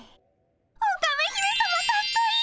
オカメ姫さまかっこいい！